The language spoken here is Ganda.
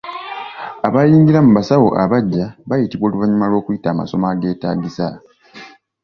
Abayingira mu busawo abaggya bayitibwa oluvannyuma lw'okuyita amasomo ageetaagisa.